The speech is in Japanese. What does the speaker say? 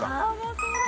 そうだ。